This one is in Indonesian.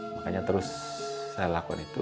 makanya terus saya lakukan itu